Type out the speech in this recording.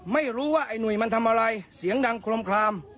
ไม่รู้ว่าไอ้หนุ่ยมันทำอะไรเสียงดังโครมคลาม